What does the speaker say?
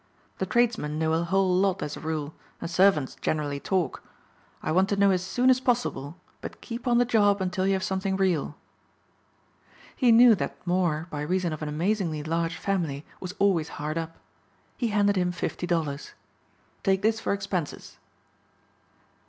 The tradesmen know a whole lot as a rule and servants generally talk. I want to know as soon as possible but keep on the job until you have something real." He knew that Moor by reason of an amazingly large family was always hard up. He handed him fifty dollars. "Take this for expenses."